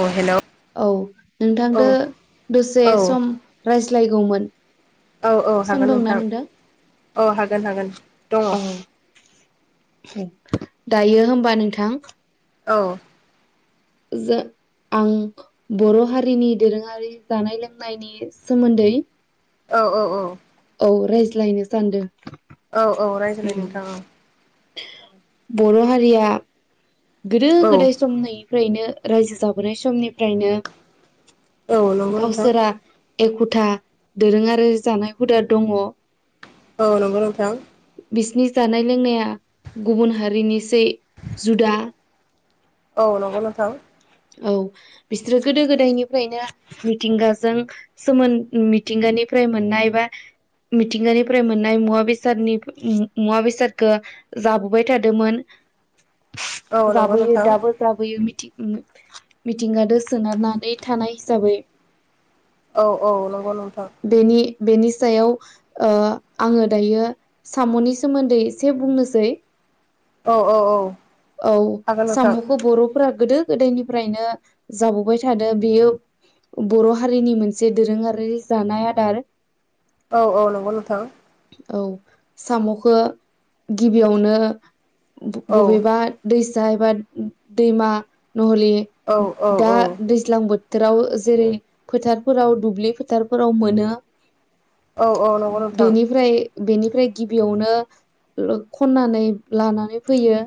औ हेलै। औ नोंथांदो दसे औ सम रायज्लायगौमोन। औ औ सम हागोन दंना नोंथां औ हागोन हागोन। दङ औ औ दायो हमबा नोंथां औ। जो आं बर' हारिनि दोरोङारि जानाय लोंनायनि सोमोन्दै औ औ औ। औ रायज्लायनो सान्दो। औ औ रायज्लाय नोंथां औ। बर' हारिया गोदो औ गोदाय समनि फ्रायनो रायजो जाबोनाय समनिफ्रायनो औ नंगौ नोंथां। एखथा दोरों आरो जानाय हुदा दङ। औ नंगौ नोंथां। बिसिनि जानाय लोंनाया गुबुन हारिनिसै जुदा। औ नंगौ नोंथां औ बिसोरो गोदो गोदायनिफ्रायनो मिथिंगाजों, सोमोन मिथिंगानि फ्राय मोननाय बा मिथिंगानिफ्राय मोननाय मुवा बेसादनि मु मुवा बेसादखौ जाबोबाय थादोंमोन। औ नंगौ जाबोयो नोंथां दाबो जाबोयो बिदिनो मिथिं मिथिंगादो सोनारनानै थानाय हिसाबै औ औ नंगौ नोंथां। बेनि बेनि सायाव ओ आंङो दायो साम'नि सोमोन्दै एसे बुंनोसै। औ औ औ औ हागोन नोंथां साम'खौ बर'फोरा गोदो फ्रायनो जाबोबाय थादो बियो बर' हारिनि मोनसे दोरोङारि जानाय आदार। औ औ नंगौ नोंथां। औ साम'खौ गिबियावनो ब औ बबेबा दै सा एबा दैमा नहलि औ औ दा दैज्लां बो जेराव जेरै फोथारफोराव दुब्लि फोथारफोराव मोनो औ औ नंगौ नोंथां बेनिफ्राय बेनिफ्राय गिबियावनो खन्नानै लानानै फैयो।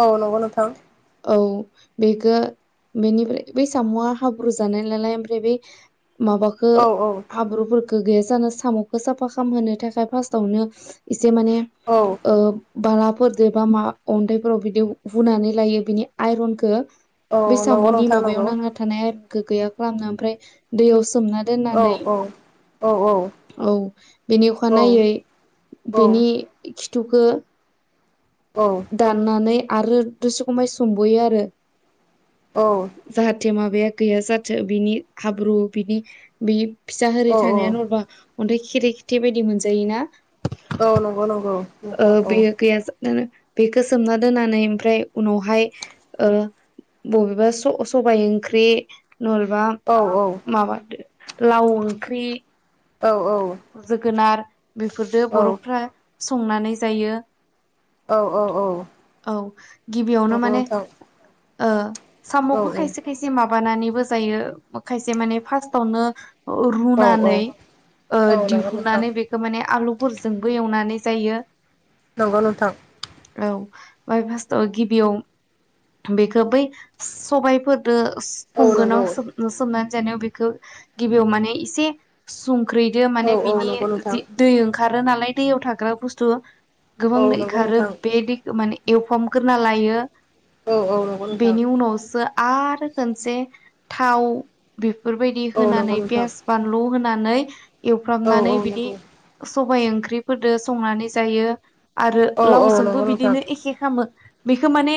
औ न'गौ नोंथां। औ बेखौ बेनिफ्राय बै साम'आ हाब्रु जानाय नालाय, ओमफ्राय बे माबखो औ औ हाब्रुफोरखौ गिबियानो जाबाय साम'खौ साफा खालामहोनो थाखाय र्फास्टआनो जे माने औ ओ बालाफोरजोंबा मा अन्थाइफोराव बिदि हुनानै लायो। बिनि आइरनखौ औ बेै नंगौ साम'नि नोंथां माबायाव नंगौ नांना थानाय आयरन गैया खालामनो ओमफ्राय दैयाव सोमना औ दोननानै औ औ औ बेनि अखानायै बेनि खिथुखौ औ दाननानै आरो दसे खमाय सोंबोयो आरो औ बिनि माबाया गैया जाथो, बिनि हाब्रु बिनि बि फिसा औ होरि थानाया नरबा अन्थाइ खेरे खेथे बायदि मोनजायोना। औ नंगौ नंगौ ओ नोंथां औ बेयो गैया बेखौ सोमना दोना नै ओमफ्राय उनावहाय ओ बबेबा स सबबाय ओंख्रि। नङालबा औ माबा लाव ओंख्रि औ जोगोनार बेफोरजों औ बर'फ्रा संनानै जायो। औ औ औ औ गिबियावनो नंगौ माने नोंथां ओ औ साम'खौ खायसे खायसे माबानानैबो जायो। खायसे माने फार्स्टावनो ओ औ रुनानै औ नंगौ नोंथां दिहुननानै बेखौ माने आलुफोरजोंबो एवनानै जायो। नंगौ नोंथां। बाय फार्स्टआव गिबियाव बेखौ बै सबायफोर बिखो औ नंगौ संगोनाव सोब सोबनानै जानायाव बेखौ गिबियाव मानसे स गोख्रैदो औ माने औ बिनि नंगौ नोंथां जि दै ओंखारो नालाय दैयाव थाग्रा बुस्थु गोबां औ दै नंगौ ओंखारो नोंथां बे दैखोव माने एवफ्रामगोरना लायो। औ औ नंगौ नोंथां बेनि उनावसो आरो खनसे थाव बेफोरबायदि औ नंगौ होनानै नोंथां पियास, बानलु होन नानै औ एवफ्रामनानै औ बिदि नंगौ सबबाय ओंख्रिफोरजों संनानै जायो। आरो औ औ लावजोंबो नंगौ नोंथां बिदिनो एखे खालामो। बेखौ माने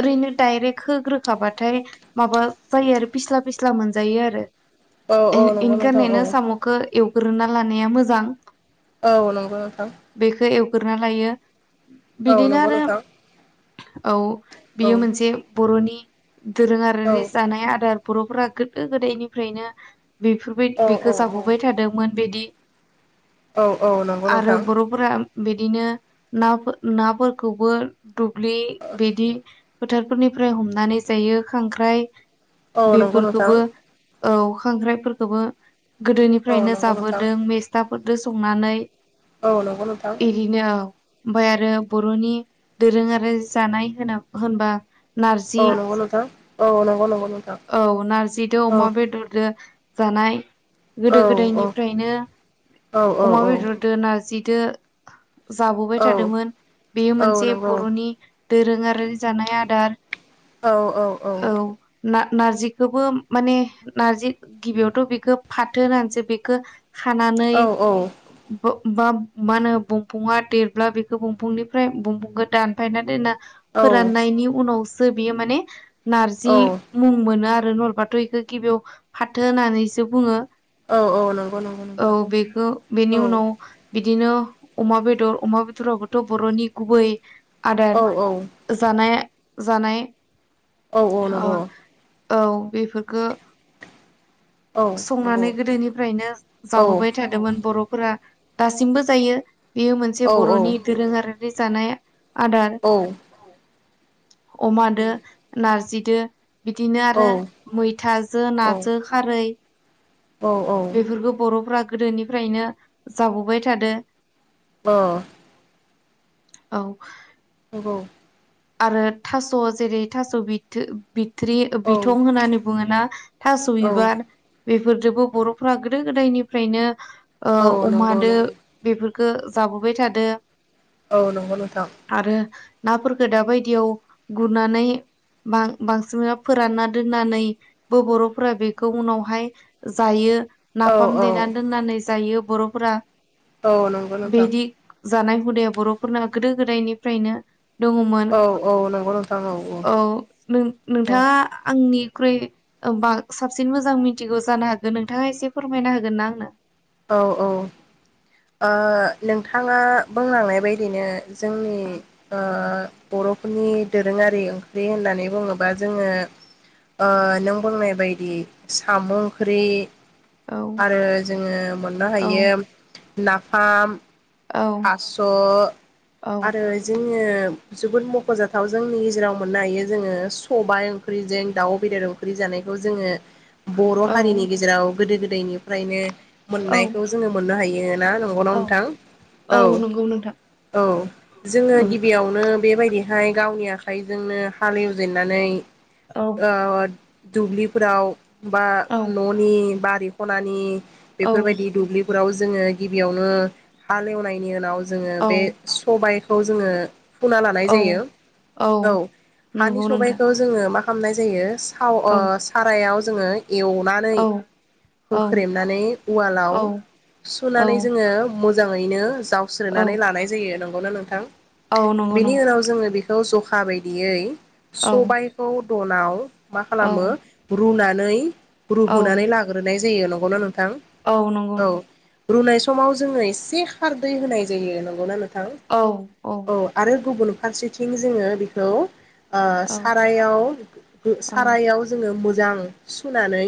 ओरैनो डाइरेक्ट होग्रोखाबाथाय माबा जायो आरो फ्लिस्ला फ्लिस्ला मोनजायो आरो औ औ नंगौ नोंथां इनिथाखायनो साम'खौ एवग्रोना लानाया मोजां। औ नंगौ नोंथां। गुरना लाइयो औ बिदिनो नंगौ आरो नोंथां औ औ बियो मोनसे बर'नि औ दोरोङारिनि जानाय आदार बर'फोरा गोदो गोदायनिफ्रायनो बेफोरबाय औ औ बेखौ जागबाय औ थादोंमोन बेदि औ औ नंगौ आरो नोंथां बर'फोरा बिदिनो नाफोर नाफोरखौबो दुब्लि बिदि फोथारफोरनिफ्राय हमनानै जायो खांख्राइ औ नंगौ नोंथां बेफोरखौबो औ खांख्राइफोरखौबो औ गोदोनिफ्रायनो नंगौ नोंथां जाबोदों मेस्थाफोरजों संनानै औ नंगौ नोंथां ओमफाय आरो बर'नि दोरोङारि जानाय होना होनबा औ‌ नारजि नंगौ नोंथां औ नंगौ नंगौ नोंथां औ नारजिदो अमा औ बेदरदो जानाय औ गोदो औ गोदायनिफ्रायनो औ अमा औ बेदरदो नारजि जो जाबोबाय औ थादोंमोन बेयो औ मोनसे नंगौ बर'नि दोरोङारि जानाय आदार औ-औ-औ ना नार्जिखौबो माने नारजि गिबियावथ' बेखौ फाथो होननानैसो बेखो खानानै औ बा मा होनो बंफाङा देरब्ला बेखौ बंफांनिफ्राय बंफांखौ दानफायना दोना फोराननायनि उनावसो बियो माने औ नारजि मुं मोनो आरो नलबाथ' बेखौ गिबियाव फाथो होननानैसो बुङो औ औ नंगौ नंगौ औ नोंथां बेखौ औ बेनि उनाव बिदिनो अमा बेदर अमा बेदरावबोथ' बर'नि गुबै आदार औ औ जानाय जानाय औ-औ ओ नंगौ औ बेफोरखो औ नंगौ संनानै गोदोनिफ्रायनो औ जाबोबाय थादोंमोन बर'फोरा दासिमबो जायो बेयो मोनसे औ बर'नि दोरोङारि जानाय आदार ओ नंगौ अमादो नारजिदो बिदिनो औ आरो मैथाजो नाजो खारै बेफोरखौ बर'फ्रा गोदोनिफ्रायनो जाबोबाय थादो अह औ औ आरो थास' जेरै थास' बिथो बिथ्रि बिथं होननानै बुङोना थास' बिबार बेफोरजोबो बर'फोरा गोदो गोदायनिफ्रायनो ओ नंगौ अमादो नंगौ बेफोर खो जाबोबाय थादो औ नंगौ नोंथां गोदा बायदियाव गुरनानै बां बांसिना फोरानना दोननानैबो बर'फोरा बेखौ उनावहाय जायो औ नाफाम औ देना दोननानै जायो बर'फोरा औ नंगौ नोंथां बिदि जानाय हुदाया बर'फोरना गोदो गोदायनिफ्रायनो दङमोन औ औ नंगौ नोंथां औ नो नोंथाङा आंनि ख्रुइ बा साबसिन मोजां मिथिगौ जानो हागो नोंथाङा एसे फोरमायना होगोन ना आंनो औ औ औ ओ नोंथाङा बुंलांनाय बायदिनो जोंनि ओ बर'फोरनि दोरोङारि ओंख्रि होननानै बुङोबा जोङो ओ नों बुंनाय बायदि साम' ओंख्रि औ आरो जोङो मोननो औ हायो नाफाम औ थास' औ आरो जो ङो जोबोद मख'जाथाव जोंनि गेजेराव मोननो हायो जोङो सबाय ओंख्रिजों दाउ बेदर ओख्रि जानायखौ जोङो बर' औ हारिनि गेजेराव गोदो गोदायनि फ्रायनो औ मोननायखौ जोङो मोननो हायो ना नंगौना औ नोंथां? औ नंगौ नोंथां औ जोङो औ गिबियावनो बेबायदिहाय गावनि आखाइ जोंनो हालेवजेननानै औ ओ दुब्लिफोराव बा औ न'नि बारि खनानि औ बेफोरबायदि दुब्लिफोराव जोङो गिबियावनो हालेवनायनि उनाव जोङो औ बे सबायखौ जोङो फुना लानाय औ जायो औ हानि नंगौ नोंथां सबायखौ जोङो मा खामनाय जायो थाव औ ओ सारायाव जोङो एवनानै औ औ होख्रेमनानै उवालाव औ सुनानै जोङो मो जाङैनो औ जावस्रोनानै लानाय जायो नंगौना नोंथां? औ नंगौ बिनि नंगौ उनाव जोङो बिखौ ज' खा बायदियै औ सबायखौ द'नाव मा औ खालामो रुना नै औ रुहोनानै लाग्रोनाय जायो नंगौनो नोंथां? औ रुनाय समाव जोङो एसे खारदै होनाय जायो नं गौनां नोंथां औ आरो गुबुन फारसेथिं जोङो बेखौ ओ औ सारायाव गो सारायाव जोङो मोजां सुनानै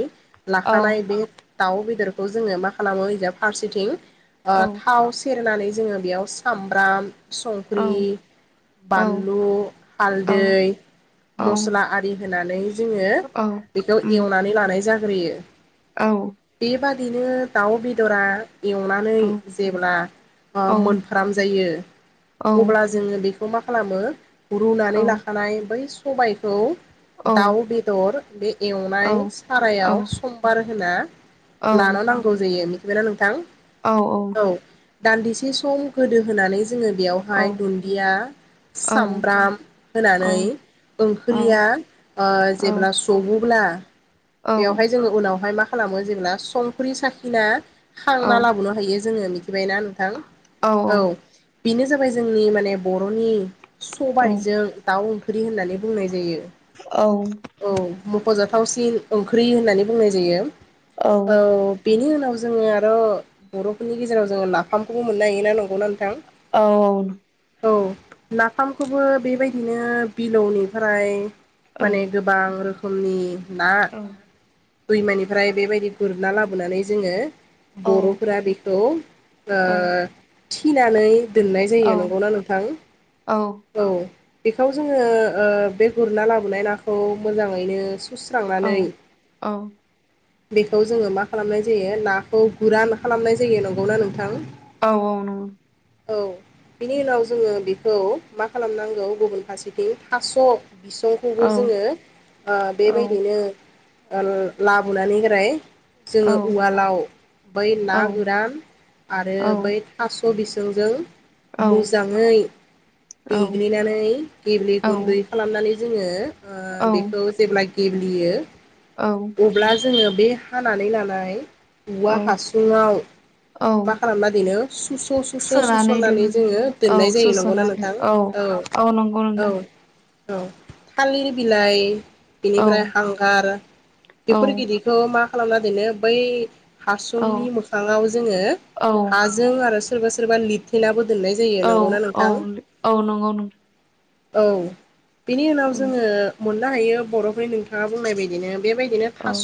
औ लाखानाय बे दाउ बेदरखौ जोङो मा खालामो ओइजा फारसेथिं ओ औ थाव सेरनानै जोङो बेयाव सामब्राम संख्रि औ बानलु औ हालदै औ मस्ला आरि होनानै जोङो बेखौ एवनानै लानाय जाग्रोयो बेबा दिनो दाउ बेदरा एवनानै जेब्ला ओ मोनफ्राम जायो अब्ला जोङो बेखौ मा खालामो? रुनानै लाखानाय बै सबायखौ दाउ बेदर बे एवनाय सारायाव समबार होना लानो नांगौ जायो मिथिबायना नोंथां? औ औ। दान्दिसे सम गोदो होनानै जोङो बेयावहाय दुन्दिया सामब्राम होनानै ओंख्रिया औ ओ जेब्ला सुवोब्ला बेवहाय जोङो उनावहाय मा खालामो जेब्ला संख्रि साखिना खांना लाबोनो हायो जोङो मिथिबायना नोंथां? औ औ। बेनो जाबाय जोंनि माने बरनि सबायजों दाउ ओंख्रि होननानै बुंनाय जायो। औ। औ मखजाथावसिन ओंख्रि होननानै बुंनाय जायो औ बेनि उनाव जोङो आर बरफोरनि गेजेराव जोङो नाफामखौबो मोननो हायोना नंगौना नोंथां? औ औ नाफामखौबो बेबायदिनो बिलौनिफ्राय माने गोबां रोखोमनि ना दैमानिफ्राय बेबायदि गुरना लाबोनानै जोङो बरफोरा बेखौ ओ थिनानै दोननाय जायो नंगौना नोंथां? औ बेखौ जोङो ओ बे गुरना लाबोनाय नाखौ मोजाङैनो सुस्रांनानै बेखौ जोङो मा खालामनाय जायो नाखौ गुरान खालामनाय जायो नंगौना नोंथां? औ औ नं औ बिनि उनाव जोङो बेखौ मा खालामनांगौ गुबुन फारसेथिं थास बिसंखौबो जोङो ओ बेबायदिनो ओ लाबोनानै हेराय जोङो उवालाव बै ना गोरान आरो बै थास बिसंजों मुजाङै देग्लिनानै गेब्ले गुन्दै खालामनानै जोङो ओ बेखौ जेब्लाय गेबलियो अब्ला जोङो बे हानानै लानाय औवा हासुङाव। औ मा खालामना दोनो सुस सुस सोनानै सुसननानै दोनो जोङो औ दोननाय जायो नंगौना सोस'नानै नोंथां? औ औ नंगौ औ नोंथां औ थालिर बिलाइ औ बेनिफ्राय हांगार औ बेफोर गिदिरखौ मा खालामना दोनो बै औ हासुंनि मोखांआव जोङो औ हाजों आरो सोरबा सोरबा लिरथेनाबो दोननाय जायो औ नंगौना औ नोंथां? औ नंगौ नोंथां औ बेनि उनाव जोङो मोननो हायो बरफोरनि नोंथाङा बुंनाय बायदिनो बेबाय दिनो औ थास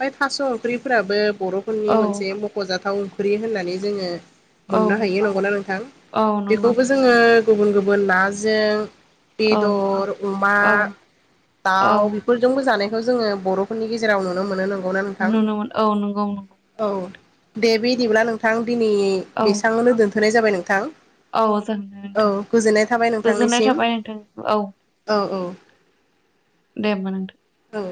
बै थास ओंख्रिफोराबो बरफोरनि औ मोनसे मखजाथाव ख्रि होननानै जोङो औ मोननो हायो नंगौना नोंथां औ नंगौ बेखौबो जोङो गुबुन गुबुन नाजों औ बेदर अमा औ औ दाउ बेफोरजोंबो जानाय बेखौ जोंङो बर'फोरनि गेजेराव नुनो मोनो नंगौना नोंथां? नुनो मोन औ नंगौ नंगौ औ दे बिदिब्ला नोंथां दिनै औ बेसेबावनो दोनथ'नाय जाबाय नोंथां। औ जागोन दे औ नोंथां गोजोननाय थाबाय गोजोननाय नोंथांनिसिम थाबाय नोंथां औ औ औ दे होनबा नोंथां। औ